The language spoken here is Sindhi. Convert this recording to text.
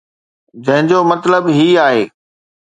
جنهن جو مطلب هي آهي.